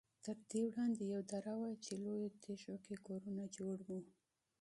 تر دې وړاندې یوه دره وه چې لویو تیږو کې کورونه جوړ وو.